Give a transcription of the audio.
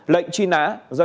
lệnh truy nã do